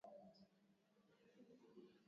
Banatuomba makuta ya mikutano